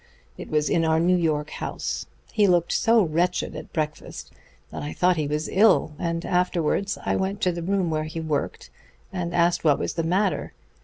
It was in our New York house. He looked so wretched at breakfast that I thought he was ill, and afterwards I went to the room where he worked, and asked what was the matter.